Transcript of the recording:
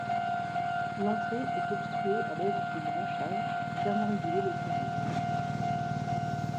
L'entrée est obstruée à l'aide de branchages pour thermoréguler le terrier.